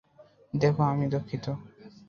দেখো, আমি দুঃখিত।